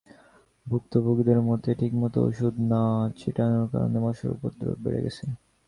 ভুক্তভোগীদের মতে, ঠিকমতো ওষুধ না ছিটানোর কারণে মশার উপদ্রব বেড়ে গেছে।